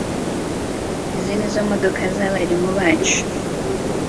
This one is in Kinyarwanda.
izi nizo modoka zabarimu bacu